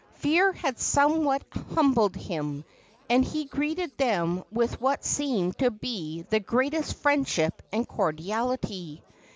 Fear had somewhat humbled him, and he greeted them with what seemed to be the greatest friendship and cordiality.